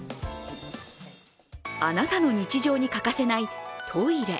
あなたの日常に欠かせないトイレ。